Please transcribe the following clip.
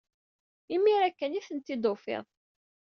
Imir-a kan ay tent-id-tufiḍ.